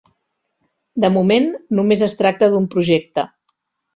De moment, només es tracta d'un projecte.